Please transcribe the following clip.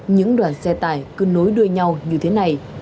những đoàn xe tải cứ nối đuôi nhau như thế này